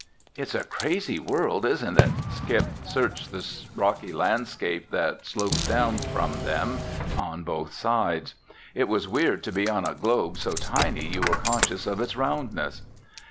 "It's a crazy world, isn't it?" Skip searched the rocky landscape that sloped down from them on both sides. It was weird to be on a globe so tiny you were conscious of its roundness.